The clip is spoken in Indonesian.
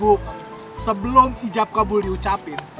bu sebelum ijab kabul diucapin